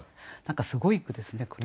何かすごい句ですね